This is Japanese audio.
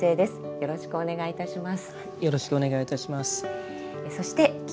よろしくお願いします。